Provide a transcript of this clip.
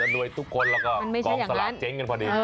แต่จะดวงทุกคนแล้วก็คอลาบเจ๊กันพอดี